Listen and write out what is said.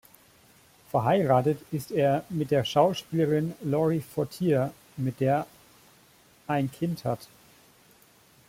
Verheiratet ist er mit der Schauspielerin Laurie Fortier, mit der ein Kind hat.